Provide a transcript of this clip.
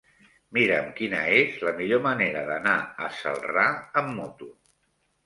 Mira'm quina és la millor manera d'anar a Celrà amb moto.